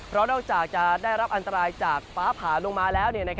เพราะนอกจากจะได้รับอันตรายจากฟ้าผ่าลงมาแล้ว